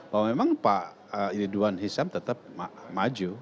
bahwa memang pak ridwan hisap tetap maju